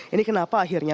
ini kenapa akhirnya